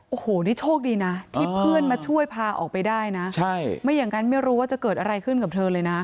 โอ้โหนี่โชคดีนะที่เพื่อนมาช่วยพาออกไปได้นะใช่ไม่อย่างนั้นไม่รู้ว่าจะเกิดอะไรขึ้นกับเธอเลยนะ